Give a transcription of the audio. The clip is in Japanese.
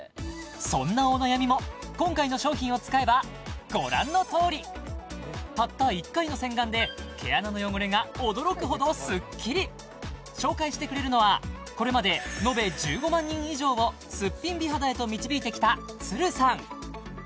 そんなお悩みも今回の商品を使えばご覧のとおりたった１回の洗顔で毛穴の汚れが驚くほどスッキリ紹介してくれるのはこれまでのべ１５万人以上をスッピン美肌へと導いてきたさん